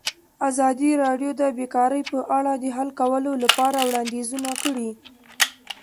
ازادي راډیو د بیکاري په اړه د حل کولو لپاره وړاندیزونه کړي.